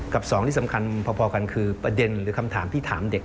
สองที่สำคัญพอกันคือประเด็นหรือคำถามที่ถามเด็ก